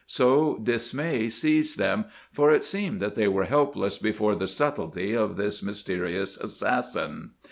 So dismay seized them, for it seemed that they were helpless before the subtlety of this mysterious assassin.